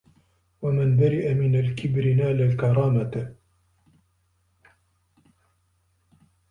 وَمَنْ بَرِئَ مِنْ الْكِبْرِ نَالَ الْكَرَامَةَ